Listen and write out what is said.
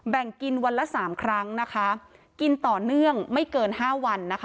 แบ่งกินวันละ๓ครั้งกินต่อเนื่องไม่เกิน๕วัน